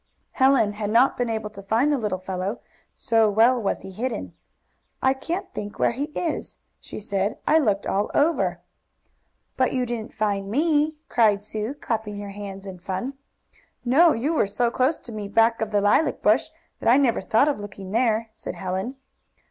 Helen had not been able to find the little fellow, so well was he hidden. "I can't think where he is," she said. "I looked all over." "But you didn't find ME!" cried Sue, clapping her hands in fun. "No, you were so close to me, back of the lilac bush, that I never thought of looking there," said Helen.